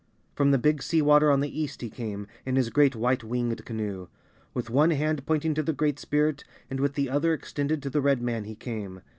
From the Big Sea Water on the east he came, in his great white winged canoe. With one hand pointing to the Great Spirit, and with the other extended to the Red man he came.